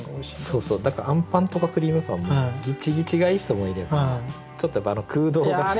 そうそうだからあんパンとかクリームパンもギチギチがいい人もいればちょっと空洞が好きな。